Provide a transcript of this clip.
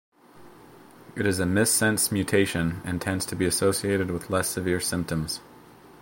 It is a missense mutation and tends to be associated with less severe symptoms.